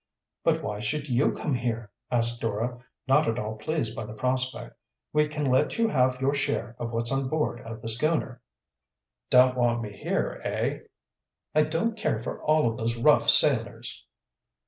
"But why should you come here?" asked Dora, not at all pleased by the prospect. "We can let you have your share of what's on board of the schooner." "Don't want me here, eh?" "I don't care for all of those rough sailors."